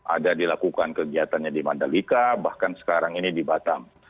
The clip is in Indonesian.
ada dilakukan kegiatannya di mandalika bahkan sekarang ini di batam